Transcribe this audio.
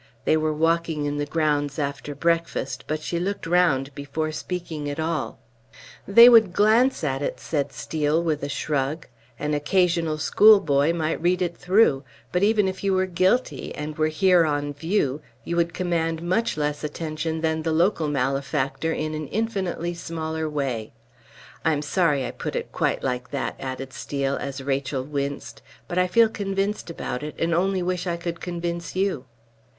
They were walking in the grounds after breakfast, but she looked round before speaking at all. "They would glance at it," said Steel, with a shrug; "an occasional schoolboy might read it through; but even if you were guilty, and were here on view, you would command much less attention than the local malefactor in an infinitely smaller way. I am sorry I put it quite like that," added Steel, as Rachel winced, "but I feel convinced about it, and only wish I could convince you."